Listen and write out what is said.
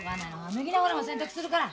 脱ぎなほら洗濯するから！